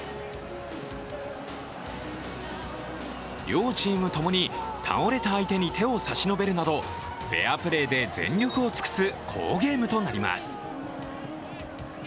両チームともに倒れた相手に手を差し伸べるなどフェアプレーで全力を尽くす好ゲームとなります。